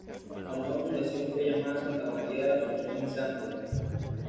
La nueva fundación fue llamada Santa María de la Asunción Misantla.